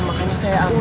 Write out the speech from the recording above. emangnya kermat gue